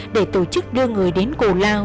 để tổ chức đưa người đến cổ lao